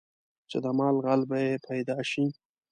چې د مال غل به یې پیدا شي.